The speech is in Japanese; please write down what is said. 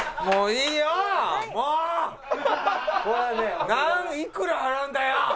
もういいよ！